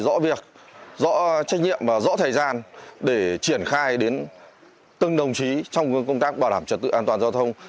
rõ việc rõ trách nhiệm và rõ thời gian để triển khai đến từng đồng chí trong công tác bảo đảm trật tự an toàn giao thông